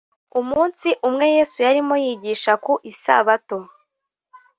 umunsi umwe yesu yarimo yigisha ku isabato